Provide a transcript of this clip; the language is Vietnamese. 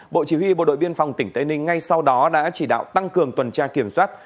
bộ chỉ huy bộ đội biên phòng tỉnh tây ninh ngay sau đó đã chỉ đạo tăng cường tuần tra kiểm soát